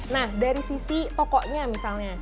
nah dari sisi tokonya misalnya